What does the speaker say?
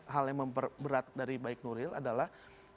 hal yang memperberat dari baik nuril adalah